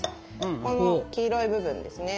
この黄色い部分ですね。